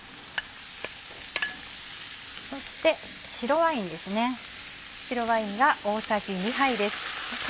そして白ワインですね。